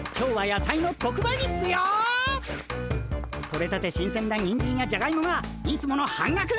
取れたて新鮮なにんじんやじゃがいもがいつもの半額！